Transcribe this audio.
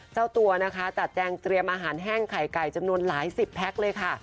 เจ้าตัวนะคะจัดแจงเตรียมอาหารแห้งไข่ไก่จำนวนหลายสิบแพ็คเลยค่ะ